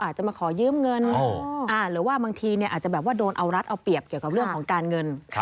หรือว่าบางทีเนี่ยอาจจะแบบว่าโดนเอารัดเอาเปรียบเกี่ยวกับเรื่องของการเงิน